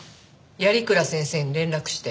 鑓鞍先生に連絡して。